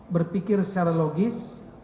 berpikir secara logis